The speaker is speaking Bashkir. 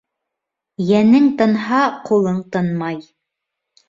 Йәнең тынһа, ҡулың тынмай.